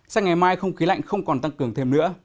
sáng ngày mai không khí lạnh không còn tăng cường thêm nữa